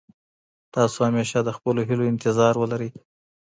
تاسو همېشه د خپلو هيلو انتظار ولرئ.